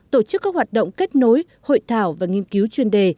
tổ chức các hoạt động kết nối hội thảo và nghiên cứu chuyên đề